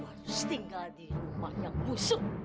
aku harus tinggal di rumah yang musuh